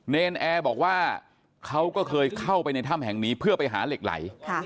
เนรนแอร์บอกว่าเขาก็เคยเข้าไปในถ้ำแห่งนี้เพื่อไปหาเหล็กไหล